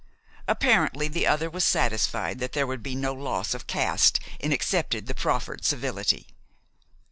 Apparently, the other was satisfied that there would be no loss of caste in accepting the proffered civility.